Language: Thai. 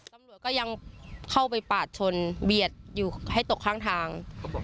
ตำรวจก็ยังเข้าไปปาดชนเบียดอยู่ให้ตกข้างทาง